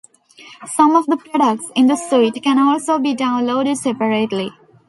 Some of the products in the suite can also be downloaded separately.